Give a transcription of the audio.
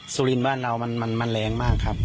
สุรินทร์บ้านเรามันแรงมากครับ